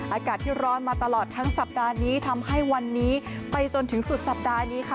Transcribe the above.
อากาศที่ร้อนมาตลอดทั้งสัปดาห์นี้ทำให้วันนี้ไปจนถึงสุดสัปดาห์นี้ค่ะ